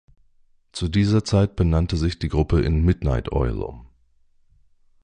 Zu dieser Zeit benannte sich die Gruppe in "Midnight Oil" um.